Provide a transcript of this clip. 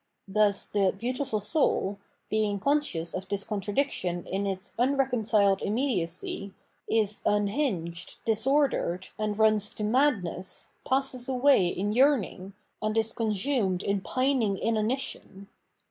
Thus the " beautiful soul," being conscious of this contradiction in its unreconciled immediacy, is unhinged, disordered, and runs to mad ness, passes away in yearning, and is consumed in pining inanition.